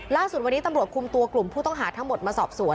ล่าสุดวันนี้ตำรวจคุมตัวกลุ่มผู้ต้องหาทั้งหมดมาสอบสวน